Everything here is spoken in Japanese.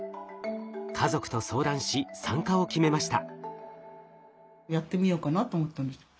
家族と相談し参加を決めました。